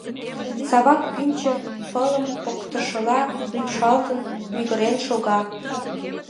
Савак пӱнчӧ пылым поктышыла рӱпшалтын мӱгырен шога.